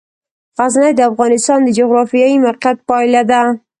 غزني د افغانستان د جغرافیایي موقیعت پایله ده.